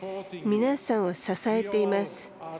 皆さんを支えています。